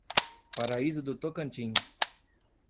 Paraíso do Tocantins